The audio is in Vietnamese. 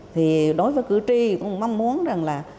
thì đối với cử tri cũng mong muốn rằng là